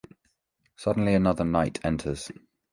Suddenly, another knight enters.